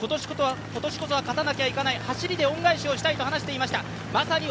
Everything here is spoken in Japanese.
今年こそは勝たなきゃいけない、走りで恩返しをしたいと話していました。